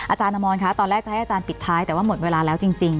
อาจารย์อมรคะตอนแรกจะให้อาจารย์ปิดท้ายแต่ว่าหมดเวลาแล้วจริง